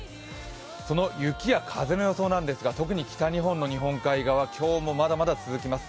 その雪や風の予報なんですが特に北日本の日本海側今日もまだまだ続きます。